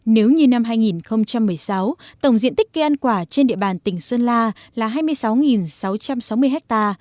nếu như năm hai nghìn một mươi sáu tổng diện tích cây ăn quả trên địa bàn tỉnh sơn la là hai mươi sáu sáu trăm sáu mươi ha